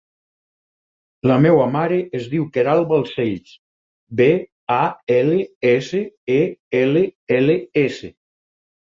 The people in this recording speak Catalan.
La meva mare es diu Queralt Balsells: be, a, ela, essa, e, ela, ela, essa.